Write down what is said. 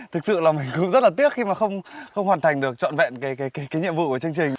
thực sự là mình rất là tiếc khi mà không hoàn thành được trọn vẹn cái nhiệm vụ của chương trình